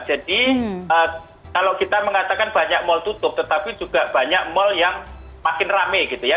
jadi kalau kita mengatakan banyak mall tutup tetapi juga banyak mall yang makin rame gitu ya